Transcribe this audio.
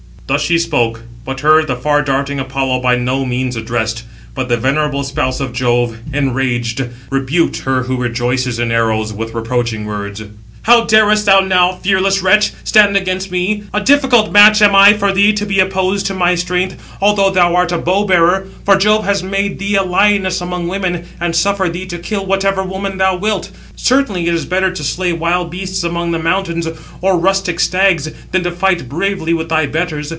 Thus she spoke; but her the far darting Apollo by no means addressed. But the venerable spouse of Jove, enraged, rebuked [her] who rejoices in arrows, with reproaching words: "How darest thou now, fearless wretch, stand against me? A difficult match am I for thee to be opposed to my strength, although thou art a bow bearer; for Jove has made thee a lioness among women, and suffered thee to kill whatever woman thou wilt. Certainly it is better to slay wild beasts among the mountains, or rustic stags, than to fight bravely with thy betters.